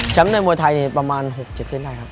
แชมป์ในมัวไทยเนี่ยประมาณ๖๗เส้นได้ครับ